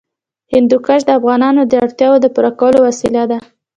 هندوکش د افغانانو د اړتیاوو د پوره کولو وسیله ده.